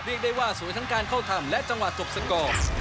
เรียกได้ว่าสวยทั้งการเข้าทำและจังหวะจบสกอร์